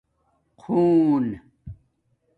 خُݸن